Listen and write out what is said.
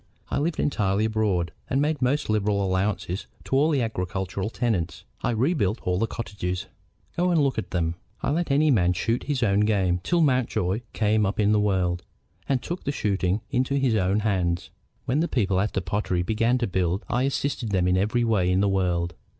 I lived entirely abroad, and made most liberal allowances to all the agricultural tenants. I rebuilt all the cottages; go and look at them. I let any man shoot his own game till Mountjoy came up in the world and took the shooting into his own hands. When the people at the pottery began to build I assisted them in every way in the world.